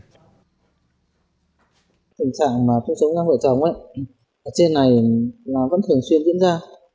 ở trên này nó vẫn thường xuyên diễn ra